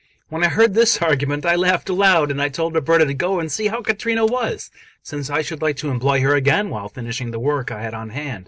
When I heard this argument, I laughed aloud, and then told Ruberta to go and see how Caterina was, since I should like to employ her again while finishing the work I had on hand.